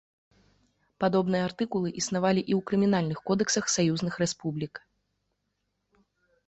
Падобныя артыкулы існавалі і ў крымінальных кодэксах саюзных рэспублік.